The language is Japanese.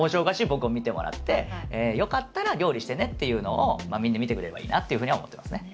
僕を見てもらってよかったら料理してねっていうのをみんな見てくれればいいなっていうふうには思ってますね。